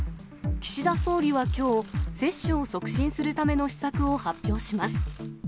岸田総理はきょう、接種を促進するための施策を発表します。